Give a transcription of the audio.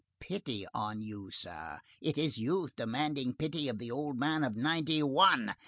"Pity on you, sir! It is youth demanding pity of the old man of ninety one!